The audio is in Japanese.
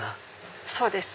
そうです。